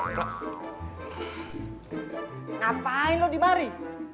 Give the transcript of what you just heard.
ngapain lo dimari